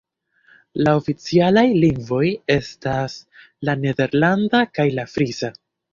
La oficialaj lingvoj estas la nederlanda kaj la frisa.